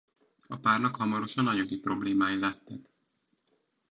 A párnak hamarosan anyagi problémái lettek.